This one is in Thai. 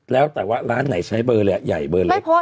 แล้วแต่ว่าร้านไหนใช้เบอร์แหละใหญ่เบอร์เล็ก